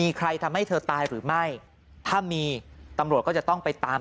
หลังจากพบศพผู้หญิงปริศนาตายตรงนี้ครับ